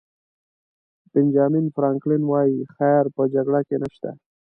بنجامین فرانکلن وایي خیر په جګړه کې نشته.